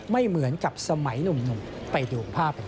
ไม่เหมือนกับสมัยหนุ่มไปดูภาพกัน